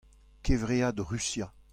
Kevread Rusia.